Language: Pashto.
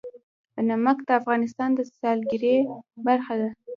نمک د افغانستان د سیلګرۍ برخه ده.